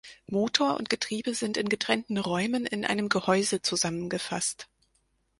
Motor und Getriebe sind in getrennten Räumen in einem Gehäuse zusammengefasst.